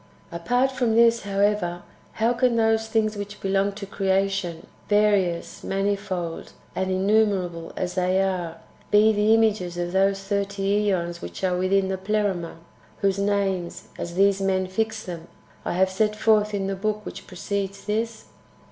3. Apart from this, however, how can those things which belong to creation, various, manifold, and innumerable as they are, be the images of those thirty 2Eons wdiich are with in the Pleroma, whose names, as these men fix them, I have set forth in the book which precedes this